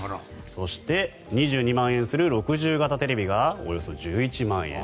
そして、２２万円する６０型テレビがおよそ１１万円。